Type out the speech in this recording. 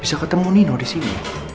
bisa ketemu nino disini